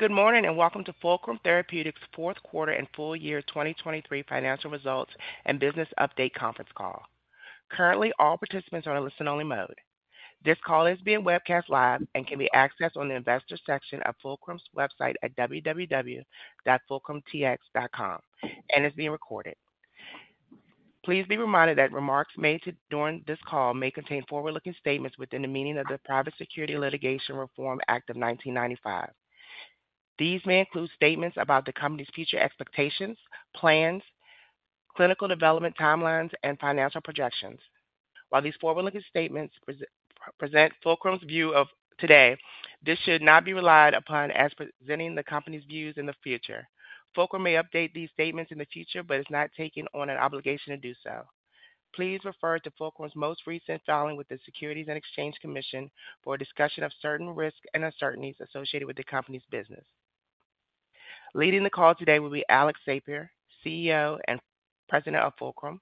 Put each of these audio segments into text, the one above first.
Good morning and welcome to Fulcrum Therapeutics' fourth quarter and full year 2023 financial results and business update conference call. Currently, all participants are in a listen-only mode. This call is being webcast live and can be accessed on the investor section of Fulcrum's website at www.fulcrumtx.com, and it's being recorded. Please be reminded that remarks made during this call may contain forward-looking statements within the meaning of the Private Securities Litigation Reform Act of 1995. These may include statements about the company's future expectations, plans, clinical development timelines, and financial projections. While these forward-looking statements present Fulcrum's view of today, this should not be relied upon as presenting the company's views in the future. Fulcrum may update these statements in the future, but is not taking on an obligation to do so. Please refer to Fulcrum's most recent filing with the Securities and Exchange Commission for a discussion of certain risk and uncertainties associated with the company's business. Leading the call today will be Alex Sapir, CEO and President of Fulcrum.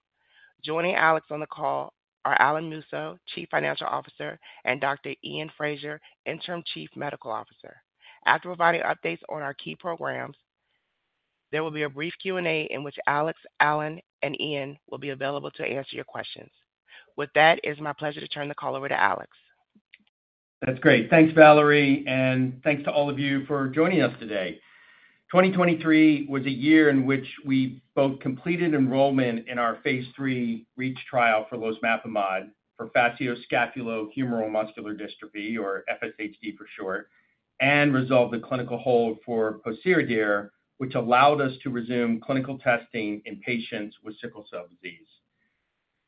Joining Alex on the call are Alan Musso, Chief Financial Officer, and Dr. Iain Fraser, Interim Chief Medical Officer. After providing updates on our key programs, there will be a brief Q&A in which Alex, Alan, and Iain will be available to answer your questions. With that, it is my pleasure to turn the call over to Alex. That's great. Thanks, Valerie, and thanks to all of you for joining us today. 2023 was a year in which we both completed enrollment in our phase III REACH trial for losmapimod for facioscapulohumeral muscular dystrophy, or FSHD for short, and resolved the clinical hold for pociredir, which allowed us to resume clinical testing in patients with sickle cell disease.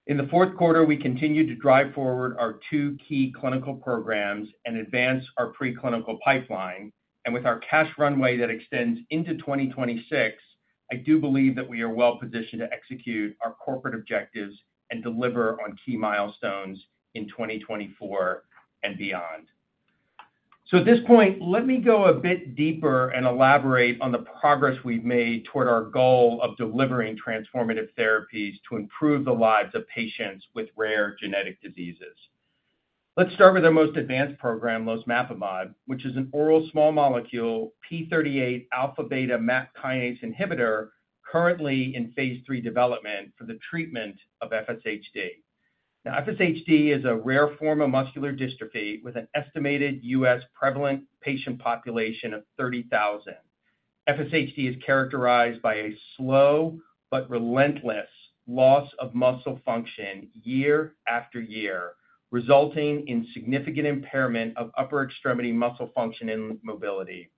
In the fourth quarter, we continue to drive forward our two key clinical programs and advance our preclinical pipeline. And with our cash runway that extends into 2026, I do believe that we are well positioned to execute our corporate objectives and deliver on key milestones in 2024 and beyond. So at this point, let me go a bit deeper and elaborate on the progress we've made toward our goal of delivering transformative therapies to improve the lives of patients with rare genetic diseases. Let's start with our most advanced program, losmapimod, which is an oral small molecule p38 alpha beta MAP kinase inhibitor currently in phase III development for the treatment of FSHD. Now, FSHD is a rare form of muscular dystrophy with an estimated U.S. prevalent patient population of 30,000. FSHD is characterized by a slow but relentless loss of muscle function year after year, resulting in significant impairment of upper extremity muscle function and mobility.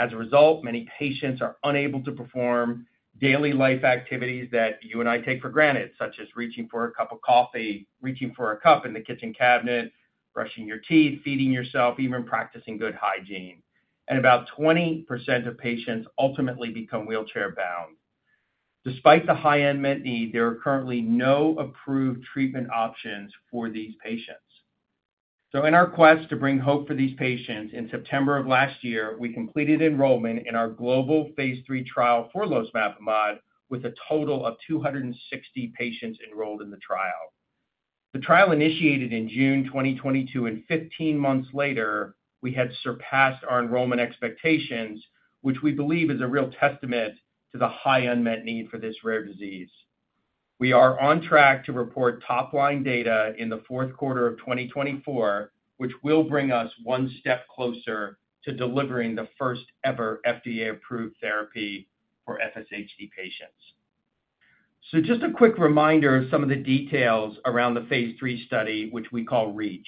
As a result, many patients are unable to perform daily life activities that you and I take for granted, such as reaching for a cup of coffee, reaching for a cup in the kitchen cabinet, brushing your teeth, feeding yourself, even practicing good hygiene. And about 20% of patients ultimately become wheelchair-bound. Despite the high unmet med need, there are currently no approved treatment options for these patients. So in our quest to bring hope for these patients, in September of last year, we completed enrollment in our global phase III trial for losmapimod with a total of 260 patients enrolled in the trial. The trial initiated in June 2022, and 15 months later, we had surpassed our enrollment expectations, which we believe is a real testament to the high unmet need for this rare disease. We are on track to report top-line data in the fourth quarter of 2024, which will bring us one step closer to delivering the first-ever FDA-approved therapy for FSHD patients. So just a quick reminder of some of the details around the phase III study, which we call REACH.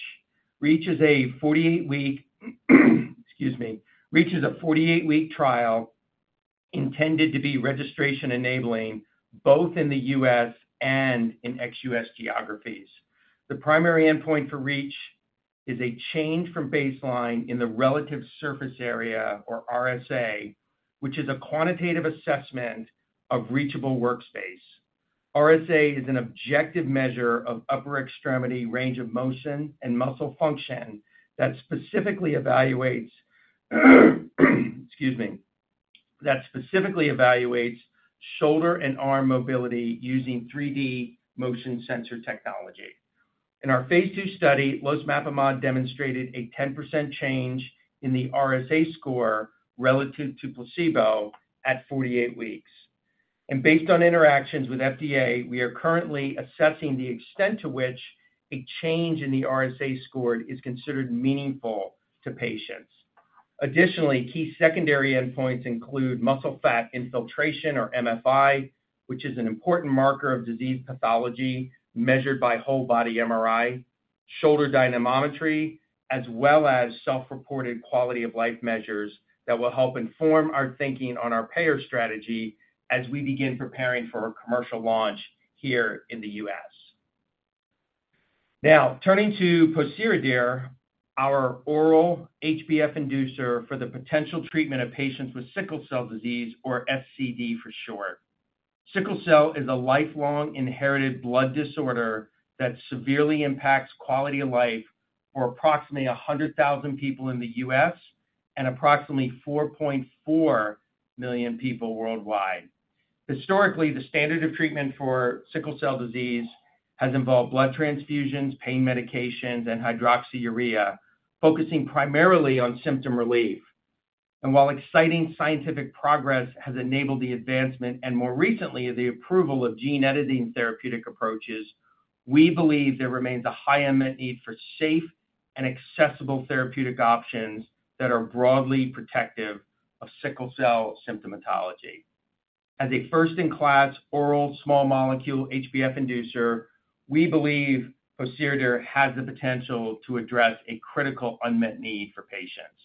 REACH is a 48-week, excuse me, REACH is a 48-week trial intended to be registration-enabling both in the U.S. and in ex-U.S. geographies. The primary endpoint for REACH is a change from baseline in the relative surface area, or RSA, which is a quantitative assessment of reachable workspace. RSA is an objective measure of upper extremity range of motion and muscle function that specifically evaluates, excuse me, shoulder and arm mobility using 3D motion sensor technology. In our phase II study, losmapimod demonstrated a 10% change in the RSA score relative to placebo at 48 weeks. Based on interactions with FDA, we are currently assessing the extent to which a change in the RSA score is considered meaningful to patients. Additionally, key secondary endpoints include muscle fat infiltration, or MFI, which is an important marker of disease pathology measured by whole-body MRI, shoulder dynamometry, as well as self-reported quality-of-life measures that will help inform our thinking on our payer strategy as we begin preparing for our commercial launch here in the U.S. Now, turning to pociredir, our oral HbF inducer for the potential treatment of patients with sickle cell disease, or SCD for short. Sickle cell is a lifelong inherited blood disorder that severely impacts quality of life for approximately 100,000 people in the U.S. and approximately 4.4 million people worldwide. Historically, the standard of treatment for sickle cell disease has involved blood transfusions, pain medications, and hydroxyurea, focusing primarily on symptom relief. While exciting scientific progress has enabled the advancement and, more recently, the approval of gene editing therapeutic approaches, we believe there remains a high unmet need for safe and accessible therapeutic options that are broadly protective of sickle cell symptomatology. As a first-in-class oral small molecule HbF inducer, we believe pociredir has the potential to address a critical unmet need for patients.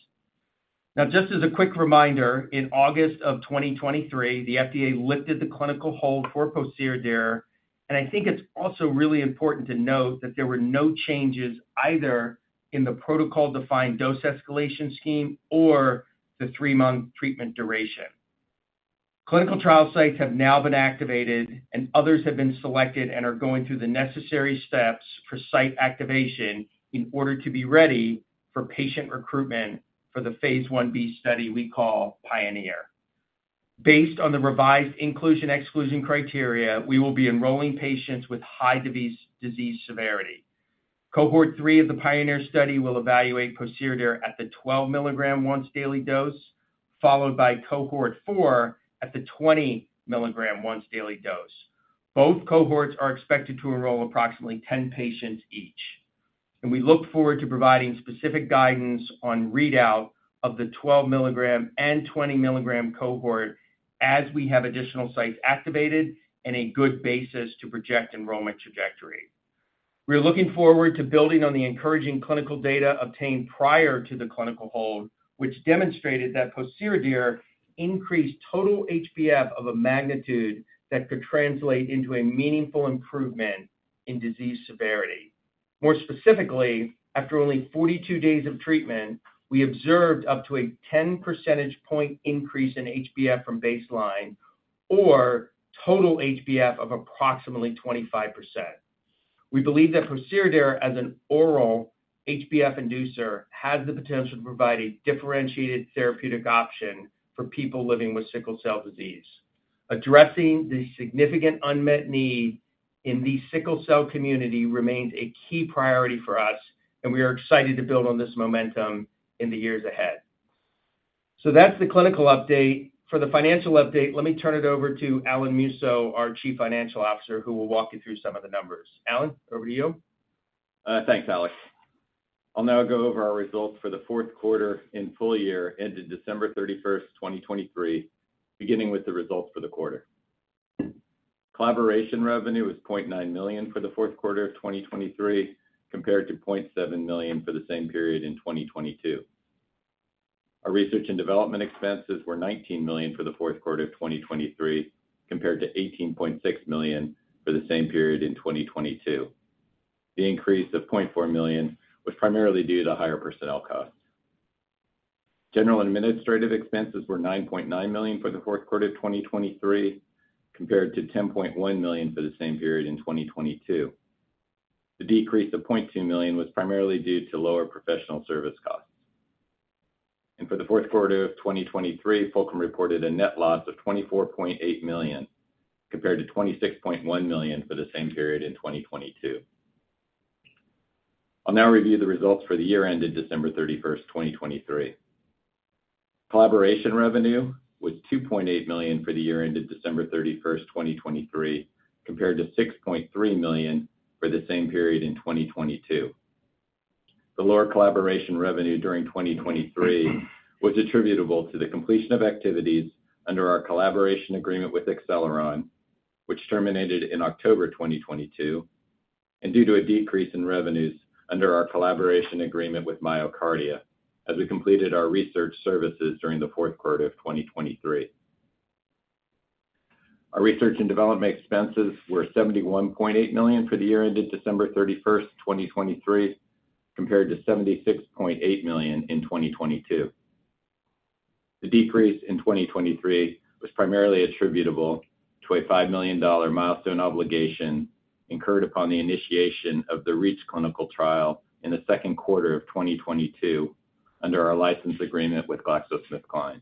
Now, just as a quick reminder, in August of 2023, the FDA lifted the clinical hold for pociredir, and I think it's also really important to note that there were no changes either in the protocol-defined dose escalation scheme or the three-month treatment duration. Clinical trial sites have now been activated, and others have been selected and are going through the necessary steps for site activation in order to be ready for patient recruitment for the phase I-B study we call PIONEER. Based on the revised inclusion/exclusion criteria, we will be enrolling patients with high disease severity. Cohort 3 of the PIONEER study will evaluate pociredir at the 12 mg once-daily dose, followed by Cohort 4 at the 20 mg once-daily dose. Both cohorts are expected to enroll approximately 10 patients each. We look forward to providing specific guidance on readout of the 12 mg and 20 mg cohort as we have additional sites activated and a good basis to project enrollment trajectory. We are looking forward to building on the encouraging clinical data obtained prior to the clinical hold, which demonstrated that pociredir increased total HbF of a magnitude that could translate into a meaningful improvement in disease severity. More specifically, after only 42 days of treatment, we observed up to a 10 percentage point increase in HbF from baseline, or total HbF of approximately 25%. We believe that pociredir, as an oral HbF inducer, has the potential to provide a differentiated therapeutic option for people living with sickle cell disease. Addressing the significant unmet need in the sickle cell community remains a key priority for us, and we are excited to build on this momentum in the years ahead. So that's the clinical update. For the financial update, let me turn it over to Alan Musso, our Chief Financial Officer, who will walk you through some of the numbers. Alan, over to you. Thanks, Alex. I'll now go over our results for the fourth quarter and full year ended December 31st, 2023, beginning with the results for the quarter. Collaboration revenue was $0.9 million for the fourth quarter of 2023 compared to $0.7 million for the same period in 2022. Our research and development expenses were $19 million for the fourth quarter of 2023 compared to $18.6 million for the same period in 2022. The increase of $0.4 million was primarily due to higher personnel costs. General administrative expenses were $9.9 million for the fourth quarter of 2023 compared to $10.1 million for the same period in 2022. The decrease of $0.2 million was primarily due to lower professional service costs. For the fourth quarter of 2023, Fulcrum reported a net loss of $24.8 million compared to $26.1 million for the same period in 2022. I'll now review the results for the year ended December 31st, 2023. Collaboration revenue was $2.8 million for the year ended December 31st, 2023 compared to $6.3 million for the same period in 2022. The lower collaboration revenue during 2023 was attributable to the completion of activities under our collaboration agreement with Acceleron, which terminated in October 2022, and due to a decrease in revenues under our collaboration agreement with MyoKardia as we completed our research services during the fourth quarter of 2023. Our research and development expenses were $71.8 million for the year ended December 31st, 2023, compared to $76.8 million in 2022. The decrease in 2023 was primarily attributable to a $5 million milestone obligation incurred upon the initiation of the REACH clinical trial in the second quarter of 2022 under our license agreement with GlaxoSmithKline.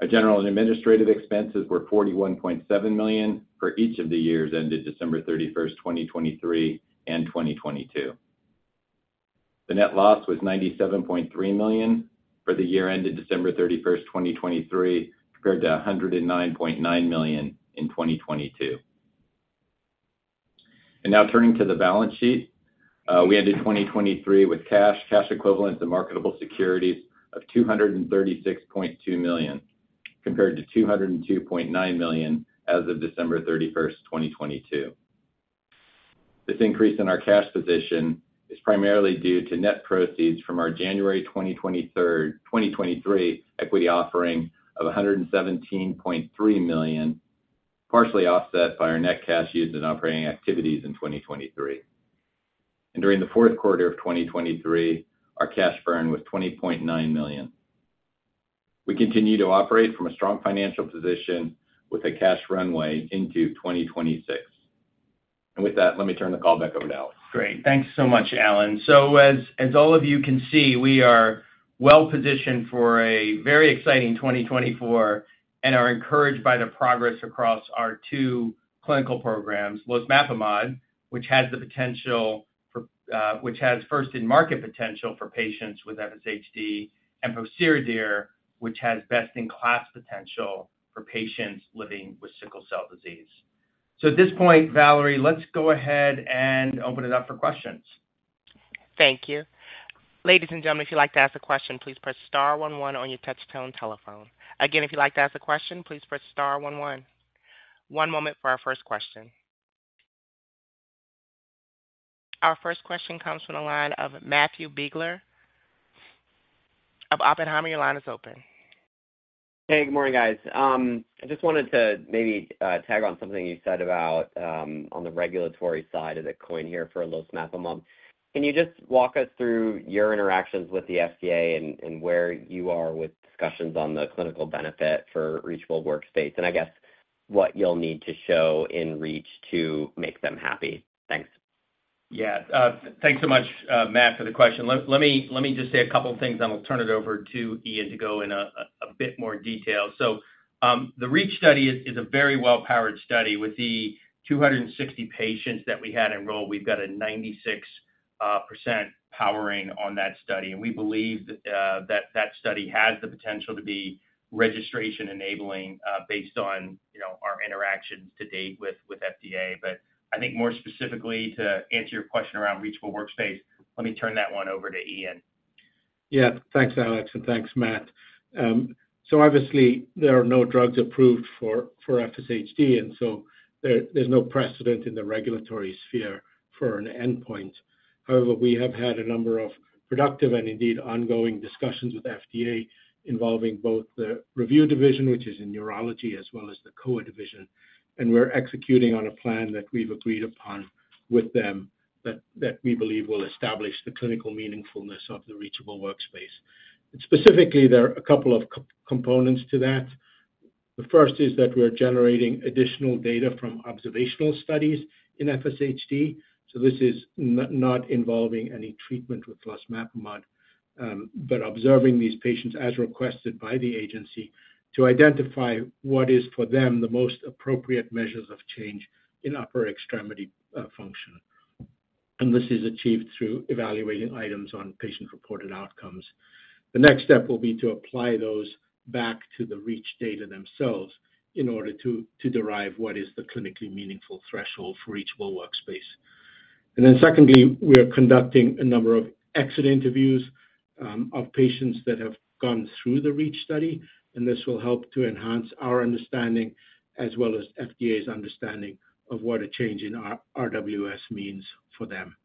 Our general administrative expenses were $41.7 million for each of the years ended December 31st, 2023, and 2022. The net loss was $97.3 million for the year ended December 31st, 2023, compared to $109.9 million in 2022. Now turning to the balance sheet, we ended 2023 with cash, cash equivalents, and marketable securities of $236.2 million compared to $202.9 million as of December 31st, 2022. This increase in our cash position is primarily due to net proceeds from our January 2023 equity offering of $117.3 million, partially offset by our net cash used in operating activities in 2023. During the fourth quarter of 2023, our cash burn was $20.9 million. We continue to operate from a strong financial position with a cash runway into 2026. With that, let me turn the call back over to Alex. Great. Thanks so much, Alan. So as all of you can see, we are well positioned for a very exciting 2024 and are encouraged by the progress across our two clinical programs, losmapimod, which has first-in-market potential for patients with FSHD, and pociredir, which has best-in-class potential for patients living with sickle cell disease. So at this point, Valerie, let's go ahead and open it up for questions. Thank you. Ladies and gentlemen, if you'd like to ask a question, please press star 11 on your touch-tone telephone. Again, if you'd like to ask a question, please press star 11. One moment for our first question. Our first question comes from the line of Matthew Biegler of Oppenheimer. Your line is open. Hey, good morning, guys. I just wanted to maybe tag on something you said about on the regulatory side of the coin here for losmapimod. Can you just walk us through your interactions with the FDA and where you are with discussions on the clinical benefit for reachable workspace, and I guess what you'll need to show in REACH to make them happy? Thanks. Yeah. Thanks so much, Matt, for the question. Let me just say a couple of things, and I'll turn it over to Iain to go in a bit more detail. So the REACH study is a very well-powered study. With the 260 patients that we had enrolled, we've got a 96% powering on that study. And we believe that that study has the potential to be registration-enabling based on our interactions to date with FDA. But I think more specifically, to answer your question around reachable workspace, let me turn that one over to Iain. Yeah. Thanks, Alex, and thanks, Matt. So obviously, there are no drugs approved for FSHD, and so there's no precedent in the regulatory sphere for an endpoint. However, we have had a number of productive and indeed ongoing discussions with FDA involving both the review division, which is in neurology, as well as the COA division. And we're executing on a plan that we've agreed upon with them that we believe will establish the clinical meaningfulness of the reachable workspace. And specifically, there are a couple of components to that. The first is that we're generating additional data from observational studies in FSHD. So this is not involving any treatment with losmapimod, but observing these patients as requested by the agency to identify what is, for them, the most appropriate measures of change in upper extremity function. And this is achieved through evaluating items on patient-reported outcomes. The next step will be to apply those back to the REACH data themselves in order to derive what is the clinically meaningful threshold for reachable workspace. And then secondly, we are conducting a number of exit interviews of patients that have gone through the REACH study, and this will help to enhance our understanding as well as FDA's understanding of what a change in RWS means for them.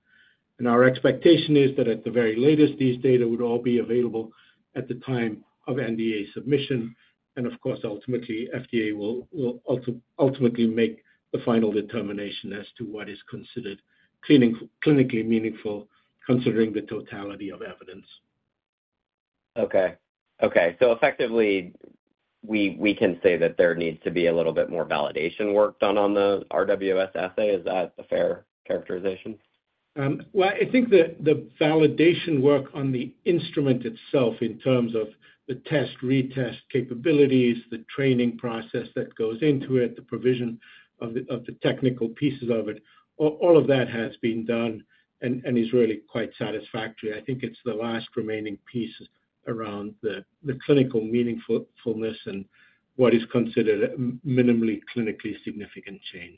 And our expectation is that at the very latest, these data would all be available at the time of NDA submission. And of course, ultimately, FDA will ultimately make the final determination as to what is considered clinically meaningful considering the totality of evidence. Okay. Okay. So effectively, we can say that there needs to be a little bit more validation work done on the RWS assay. Is that a fair characterization? Well, I think the validation work on the instrument itself in terms of the test, retest capabilities, the training process that goes into it, the provision of the technical pieces of it, all of that has been done and is really quite satisfactory. I think it's the last remaining piece around the clinical meaningfulness and what is considered a minimally clinically significant change.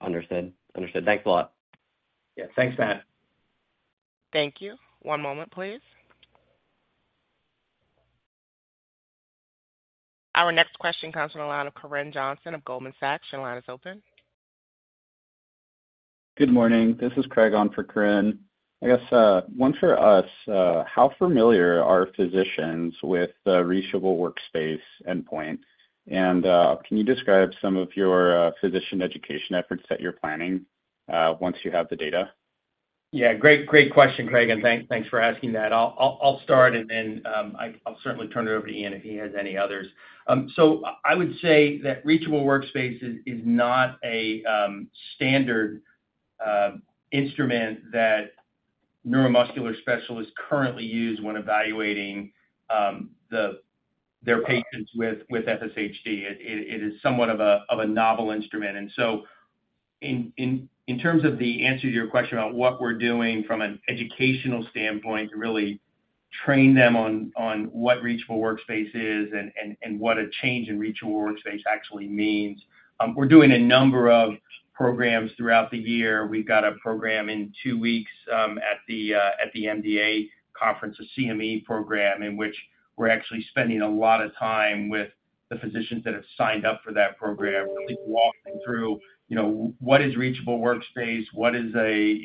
Understood. Understood. Thanks a lot. Yeah. Thanks, Matt. Thank you. One moment, please. Our next question comes from the line of Corinne Johnson of Goldman Sachs. Your line is open. Good morning. This is Craig on for Corinne. I guess one for us, how familiar are physicians with the reachable workspace endpoint? And can you describe some of your physician education efforts that you're planning once you have the data? Yeah. Great, great question, Craig, and thanks for asking that. I'll start, and then I'll certainly turn it over to Iain if he has any others. So I would say that reachable workspace is not a standard instrument that neuromuscular specialists currently use when evaluating their patients with FSHD. It is somewhat of a novel instrument. And so in terms of the answer to your question about what we're doing from an educational standpoint to really train them on what reachable workspace is and what a change in reachable workspace actually means, we're doing a number of programs throughout the year. We've got a program in two weeks at the MDA conference, a CME program, in which we're actually spending a lot of time with the physicians that have signed up for that program, really walking through what is reachable workspace, what is a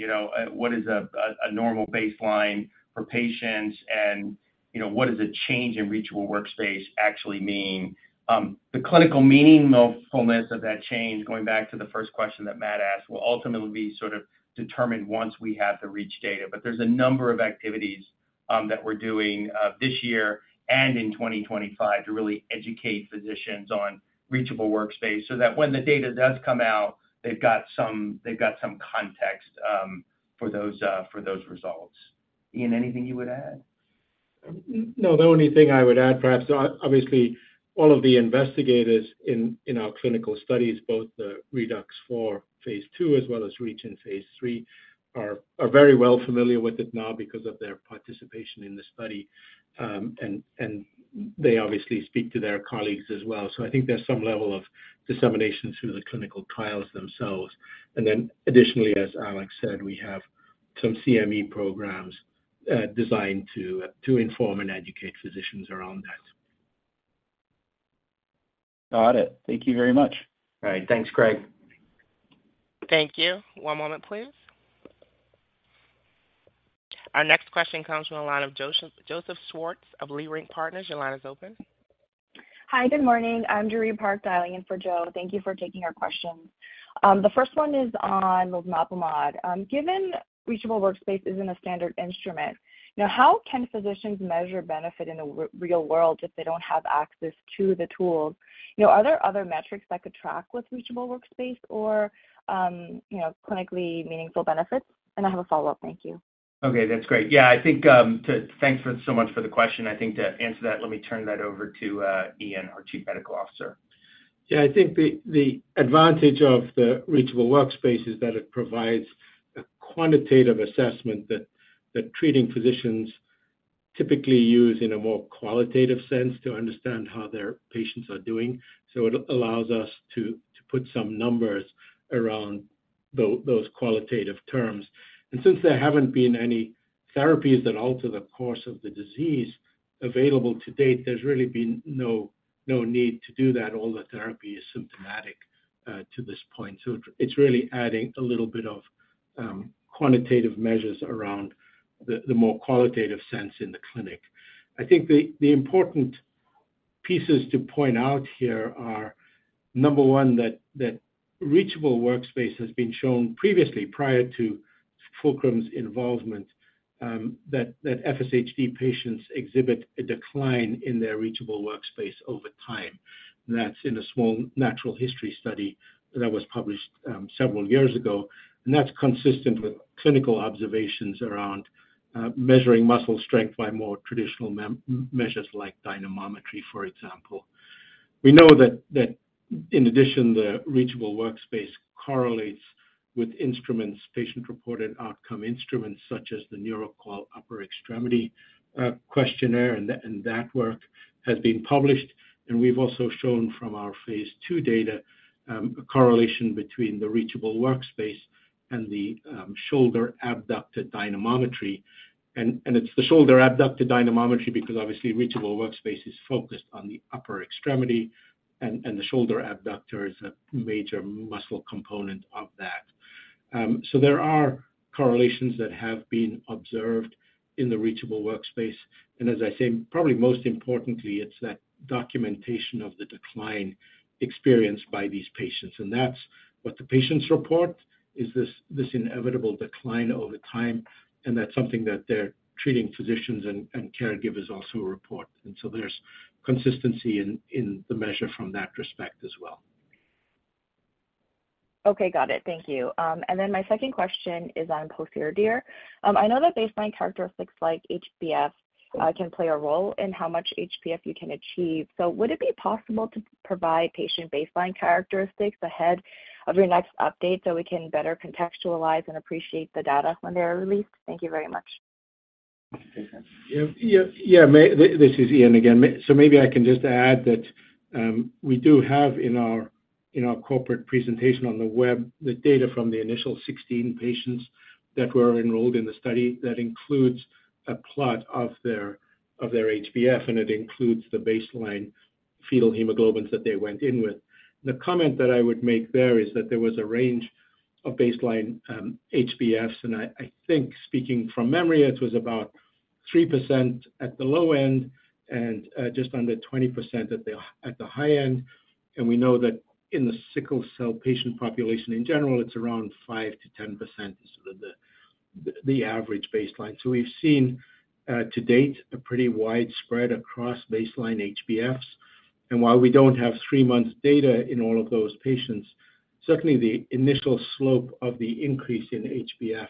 normal baseline for patients, and what does a change in reachable workspace actually mean. The clinical meaningfulness of that change, going back to the first question that Matt asked, will ultimately be sort of determined once we have the REACH data. But there's a number of activities that we're doing this year and in 2025 to really educate physicians on reachable workspace so that when the data does come out, they've got some context for those results. Iain, anything you would add? No, the only thing I would add, perhaps obviously, all of the investigators in our clinical studies, both the ReDUX4 phase II as well as REACH in phase III, are very well familiar with it now because of their participation in the study. And they obviously speak to their colleagues as well. So I think there's some level of dissemination through the clinical trials themselves. And then additionally, as Alex said, we have some CME programs designed to inform and educate physicians around that. Got it. Thank you very much. All right. Thanks, Craig. Thank you. One moment, please. Our next question comes from the line of Joseph Schwartz of Leerink Partners. Your line is open. Hi. Good morning. I'm Joori Park, dialing in for Joe. Thank you for taking our questions. The first one is on losmapimod. Given reachable workspace isn't a standard instrument, how can physicians measure benefit in the real world if they don't have access to the tools? Are there other metrics that could track with reachable workspace or clinically meaningful benefits? And I have a follow-up. Thank you. Okay. That's great. Yeah. Thanks so much for the question. I think to answer that, let me turn that over to Iain, our Chief Medical Officer. Yeah. I think the advantage of the reachable workspace is that it provides a quantitative assessment that treating physicians typically use in a more qualitative sense to understand how their patients are doing. So it allows us to put some numbers around those qualitative terms. And since there haven't been any therapies that alter the course of the disease available to date, there's really been no need to do that. All the therapy is symptomatic to this point. So it's really adding a little bit of quantitative measures around the more qualitative sense in the clinic. I think the important pieces to point out here are, number one, that reachable workspace has been shown previously, prior to Fulcrum's involvement, that FSHD patients exhibit a decline in their reachable workspace over time. And that's in a small natural history study that was published several years ago. And that's consistent with clinical observations around measuring muscle strength by more traditional measures like dynamometry, for example. We know that in addition, the reachable workspace correlates with instruments, patient-reported outcome instruments, such as the Neuro-QoL upper extremity questionnaire, and that work has been published. And we've also shown from our phase II data a correlation between the reachable workspace and the shoulder abductor dynamometry. And it's the shoulder abductor dynamometry because obviously, reachable workspace is focused on the upper extremity, and the shoulder abductor is a major muscle component of that. So there are correlations that have been observed in the reachable workspace. And as I say, probably most importantly, it's that documentation of the decline experienced by these patients. And that's what the patients report, is this inevitable decline over time. And that's something that their treating physicians and caregivers also report. And so there's consistency in the measure from that respect as well. Okay. Got it. Thank you. And then my second question is on pociredir. I know that baseline characteristics like HbF can play a role in how much HbF you can achieve. So would it be possible to provide patient baseline characteristics ahead of your next update so we can better contextualize and appreciate the data when they are released? Thank you very much. Yeah. This is Iain again. So maybe I can just add that we do have in our corporate presentation on the web the data from the initial 16 patients that were enrolled in the study. That includes a plot of their HbF, and it includes the baseline fetal hemoglobins that they went in with. The comment that I would make there is that there was a range of baseline HbFs. And I think speaking from memory, it was about 3% at the low end and just under 20% at the high end. And we know that in the sickle cell patient population in general, it's around 5%-10% is sort of the average baseline. So we've seen to date a pretty widespread across baseline HbFs. While we don't have three-month data in all of those patients, certainly, the initial slope of the increase in HbF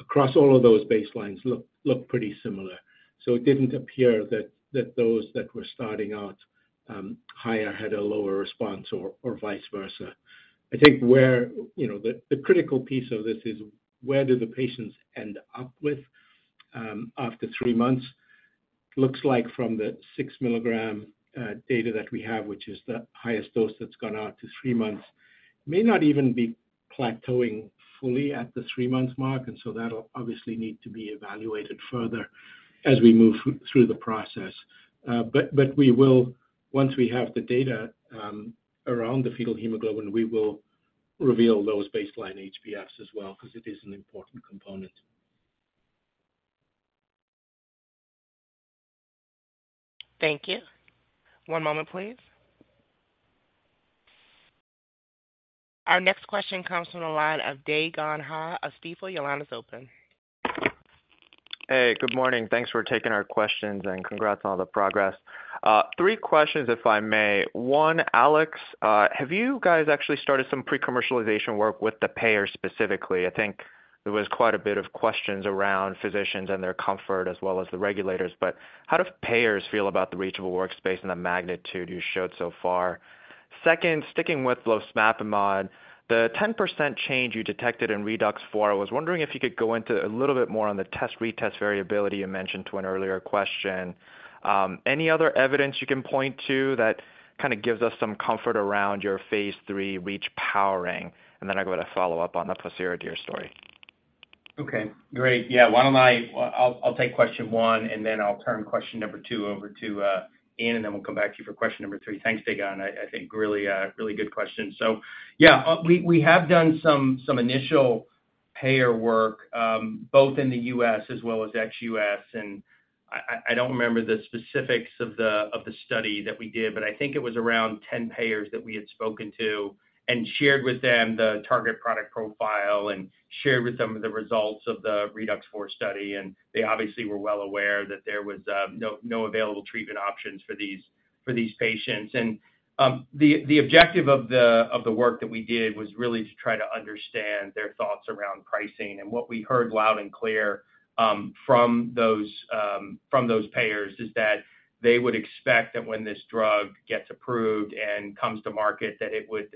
across all of those baselines looked pretty similar. So it didn't appear that those that were starting out higher had a lower response or vice versa. I think the critical piece of this is where do the patients end up with after three months. It looks like from the 6 mg data that we have, which is the highest dose that's gone out to three months, may not even be plateauing fully at the three-month mark. And so that'll obviously need to be evaluated further as we move through the process. But once we have the data around the fetal hemoglobin, we will reveal those baseline HbFs as well because it is an important component. Thank you. One moment, please. Our next question comes from the line of Dae Gon Ha of Stifel. Your line is open. Hey. Good morning. Thanks for taking our questions, and congrats on all the progress. three questions, if I may. One, Alex, have you guys actually started some pre-commercialization work with the payers specifically? I think there was quite a bit of questions around physicians and their comfort as well as the regulators. But how do payers feel about the reachable workspace and the magnitude you showed so far? Second, sticking with losmapimod, the 10% change you detected in ReDUX4, I was wondering if you could go into a little bit more on the test, retest variability you mentioned to an earlier question. Any other evidence you can point to that kind of gives us some comfort around your phase III REACH powering? And then I'll go to follow up on the pociredir story. Okay. Great. Yeah. Why don't I I'll take question one, and then I'll turn question number two over to Iain, and then we'll come back to you for question number three. Thanks, Dae Gon. I think really, really good question. So yeah, we have done some initial payer work both in the U.S. as well as ex-U.S. I don't remember the specifics of the study that we did, but I think it was around 10 payers that we had spoken to and shared with them the target product profile and shared with them the results of the ReDUX4 study. They obviously were well aware that there was no available treatment options for these patients. The objective of the work that we did was really to try to understand their thoughts around pricing. What we heard loud and clear from those payers is that they would expect that when this drug gets approved and comes to market, that it would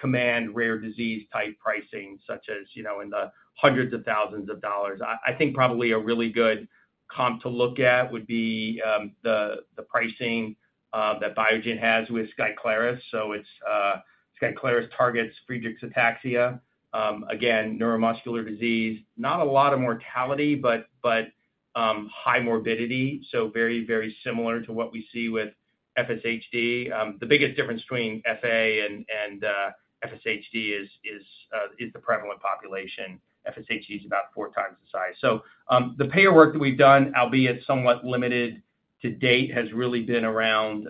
command rare disease-type pricing such as in the hundreds of thousands of dollars. I think probably a really good comp to look at would be the pricing that Biogen has with Skyclarys. So Skyclarys targets Friedreich ataxia. Again, neuromuscular disease, not a lot of mortality, but high morbidity. So very, very similar to what we see with FSHD. The biggest difference between FA and FSHD is the prevalent population. FSHD is about four times the size. So the payer work that we've done, albeit somewhat limited to date, has really been around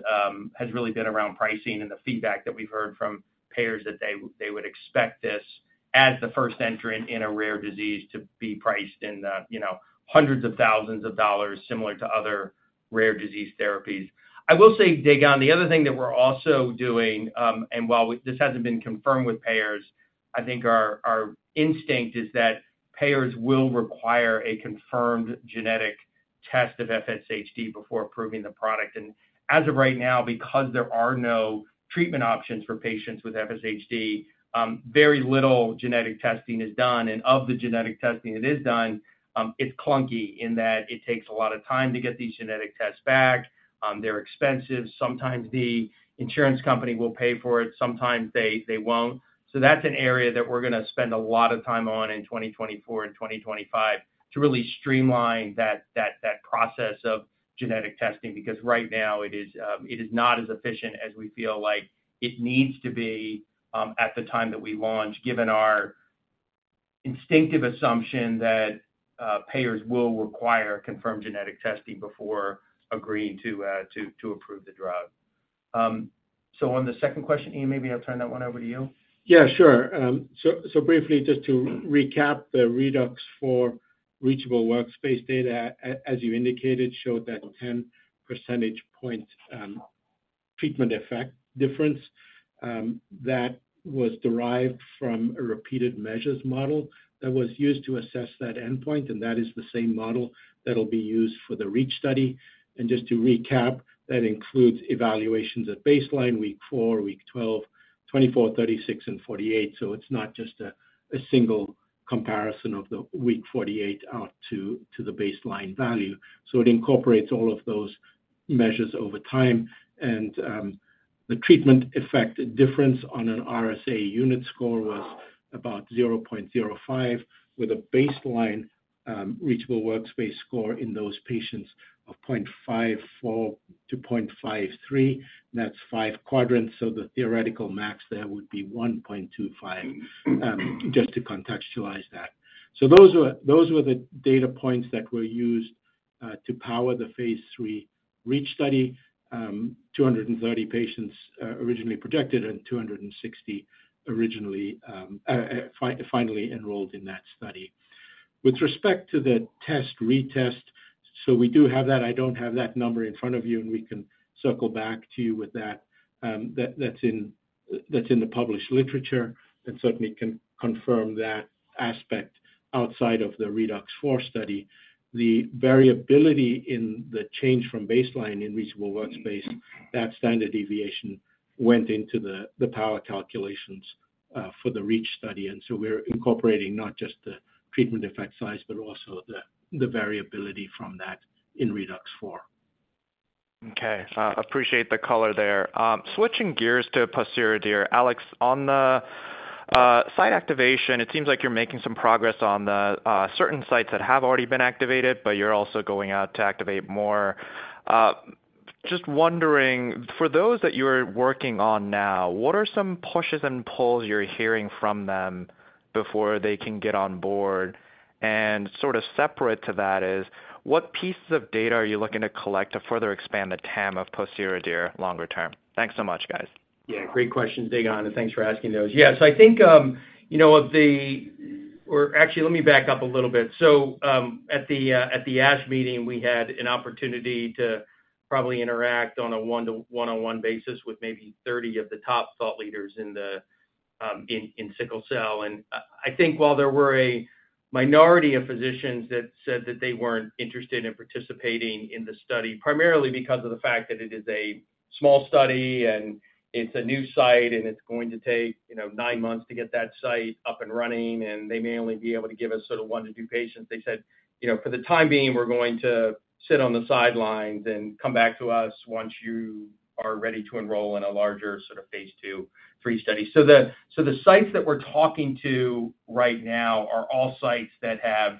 pricing and the feedback that we've heard from payers that they would expect this as the first entrant in a rare disease to be priced in hundreds of thousands of dollars similar to other rare disease therapies. I will say, Dae Gon, the other thing that we're also doing and while this hasn't been confirmed with payers, I think our instinct is that payers will require a confirmed genetic test of FSHD before approving the product. And as of right now, because there are no treatment options for patients with FSHD, very little genetic testing is done. And of the genetic testing that is done, it's clunky in that it takes a lot of time to get these genetic tests back. They're expensive. Sometimes the insurance company will pay for it. Sometimes they won't. So that's an area that we're going to spend a lot of time on in 2024 and 2025 to really streamline that process of genetic testing because right now, it is not as efficient as we feel like it needs to be at the time that we launch, given our instinctive assumption that payers will require confirmed genetic testing before agreeing to approve the drug. So on the second question, Iain, maybe I'll turn that one over to you. Yeah. Sure. So briefly, just to recap, the ReDUX4 reachable workspace data, as you indicated, showed that 10 percentage point treatment effect difference that was derived from a repeated measures model that was used to assess that endpoint. And that is the same model that'll be used for the REACH study. And just to recap, that includes evaluations at baseline, week four, week 12, 24, 36, and 48. So it's not just a single comparison of the week 48 out to the baseline value. So it incorporates all of those measures over time. And the treatment effect difference on an RSA unit score was about 0.05, with a baseline reachable workspace score in those patients of 0.54-0.53. And that's five quadrants. So the theoretical max there would be 1.25, just to contextualize that. So those were the data points that were used to power the phase III ReDUX4 study, 230 patients originally projected and 260 finally enrolled in that study. With respect to the test, retest, so we do have that. I don't have that number in front of you, and we can circle back to you with that. That's in the published literature, and certainly can confirm that aspect outside of the ReDUX4 study. The variability in the change from baseline in reachable workspace, that standard deviation went into the power calculations for the REACH study. And so we're incorporating not just the treatment effect size, but also the variability from that in ReDUX4. Okay. Appreciate the color there. Switching gears to pociredir, Alex, on the site activation, it seems like you're making some progress on certain sites that have already been activated, but you're also going out to activate more. Just wondering, for those that you're working on now, what are some pushes and pulls you're hearing from them before they can get on board? And sort of separate to that is, what pieces of data are you looking to collect to further expand the TAM of pociredir longer term? Thanks so much, guys. Yeah. Great questions, Dae Gon. And thanks for asking those. Yeah. So actually, let me back up a little bit. So at the ASH meeting, we had an opportunity to probably interact on a one-on-one basis with maybe 30 of the top thought leaders in sickle cell. And I think while there were a minority of physicians that said that they weren't interested in participating in the study, primarily because of the fact that it is a small study and it's a new site, and it's going to take nine months to get that site up and running, and they may only be able to give us sort of one-two patients, they said, "For the time being, we're going to sit on the sidelines and come back to us once you are ready to enroll in a larger sort of phase II, III study." So the sites that we're talking to right now are all sites that have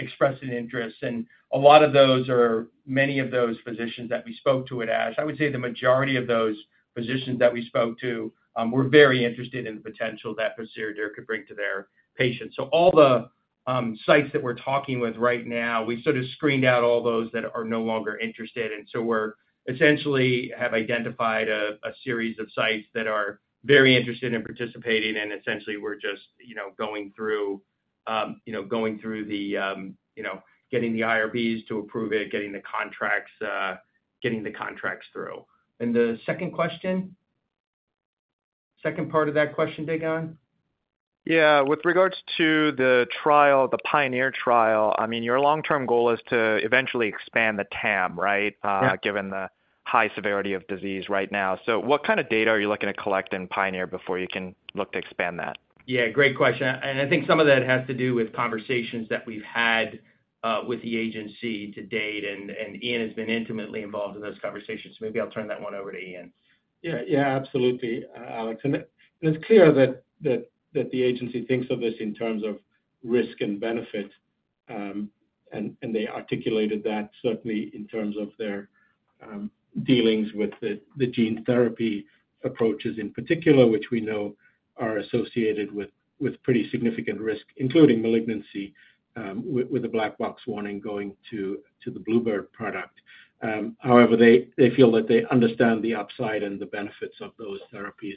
expressed an interest. And a lot of those are many of those physicians that we spoke to at ASH. I would say the majority of those physicians that we spoke to were very interested in the potential that pociredir could bring to their patients. So all the sites that we're talking with right now, we sort of screened out all those that are no longer interested. And so we essentially have identified a series of sites that are very interested in participating. And essentially, we're just going through the getting the IRBs to approve it, getting the contracts through. And the second question? Second part of that question, Dae Gon Ha? Yeah. With regards to the PIONEER trial, I mean, your long-term goal is to eventually expand the TAM, right, given the high severity of disease right now. So what kind of data are you looking to collect in PIONEER before you can look to expand that? Yeah. Great question. And I think some of that has to do with conversations that we've had with the agency to date. And Iain has been intimately involved in those conversations. So maybe I'll turn that one over to Iain. Yeah. Yeah. Absolutely, Alex. It's clear that the agency thinks of this in terms of risk and benefit. They articulated that certainly in terms of their dealings with the gene therapy approaches in particular, which we know are associated with pretty significant risk, including malignancy, with a black box warning going to the Bluebird product. However, they feel that they understand the upside and the benefits of those therapies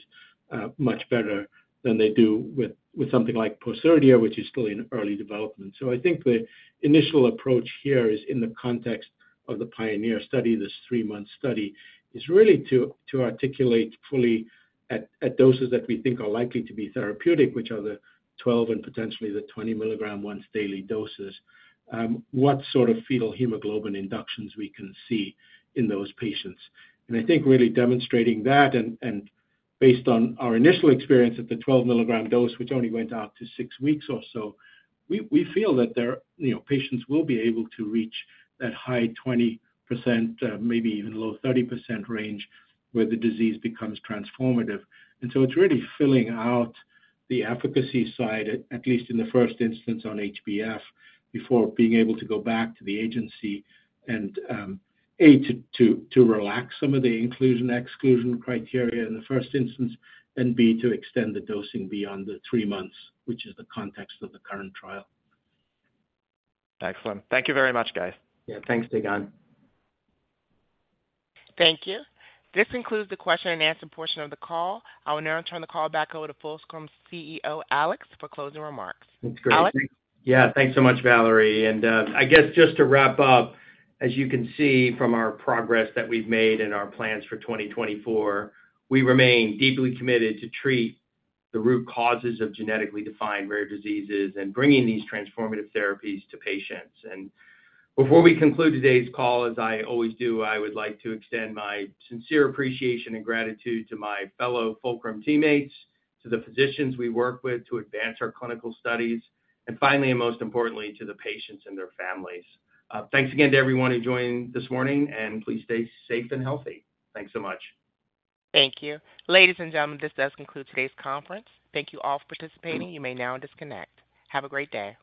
much better than they do with something like pociredir, which is still in early development. I think the initial approach here is in the context of the Pioneer study, this three-month study, is really to articulate fully at doses that we think are likely to be therapeutic, which are the 12 mg and potentially the 20 mg once daily doses, what sort of fetal hemoglobin inductions we can see in those patients. And I think really demonstrating that, and based on our initial experience at the 12 mg dose, which only went out to six weeks or so, we feel that patients will be able to reach that high 20%, maybe even low 30% range where the disease becomes transformative. And so it's really filling out the efficacy side, at least in the first instance on HbF, before being able to go back to the agency and, A, to relax some of the inclusion/exclusion criteria in the first instance, and, B, to extend the dosing beyond the three months, which is the context of the current trial. Excellent. Thank you very much, guys. Yeah. Thanks, Dae Gon Ha. Thank you. This concludes the question-and-answer portion of the call. I will now turn the call back over to Fulcrum's CEO, Alex, for closing remarks. Thanks, Gregory. Yeah. Thanks so much, Valerie. And I guess just to wrap up, as you can see from our progress that we've made and our plans for 2024, we remain deeply committed to treat the root causes of genetically defined rare diseases and bringing these transformative therapies to patients. And before we conclude today's call, as I always do, I would like to extend my sincere appreciation and gratitude to my fellow Fulcrum teammates, to the physicians we work with to advance our clinical studies, and finally, and most importantly, to the patients and their families. Thanks again to everyone who joined this morning. And please stay safe and healthy. Thanks so much. Thank you. Ladies and gentlemen, this does conclude today's conference. Thank you all for participating. You may now disconnect. Have a great day.